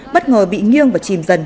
bất ngờ bị nhiễm